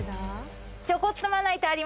ちょこっとまな板。